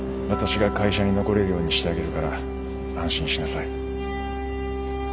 私が会社に残れるようにしてあげるから安心しなさい。